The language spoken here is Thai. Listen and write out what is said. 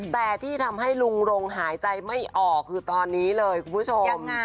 แต่ที่ทำให้ลุงรงหายใจไม่ออกคือตอนนี้เลยคุณผู้ชม